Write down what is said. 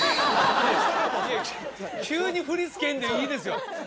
急に振り付けんでいいですよ